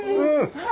はい。